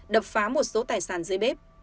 đập phá một số tài sản dưới bếp